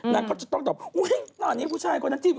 นางก็จะต้องตอบอุ๊ยตอนนี้ผู้ชายคนนั้นจิ้ม